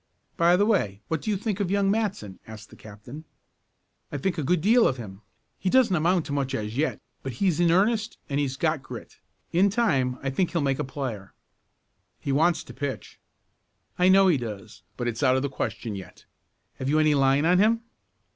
"By the way, what do you think of young Matson?" asked the captain. "I think a good deal of him. He doesn't amount to much as yet, but he's in earnest and he's got grit. In time I think he'll make a player." "He wants to pitch." "I know he does, but it's out of the question yet. Have you any line on him?"